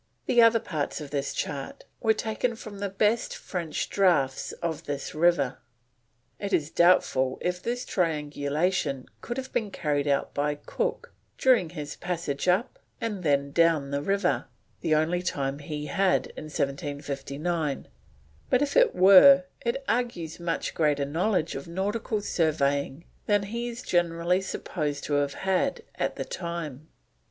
The other parts of this chart were taken from the best French Draughts of this River." It is doubtful if this triangulation could have been carried out by Cook during his passage up and then down the river, the only time he had in 1759, but if it were, it argues much greater knowledge of nautical surveying than he is generally supposed to have had at the time.